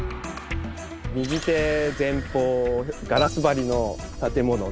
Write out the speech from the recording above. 右手前方ガラス張りの建物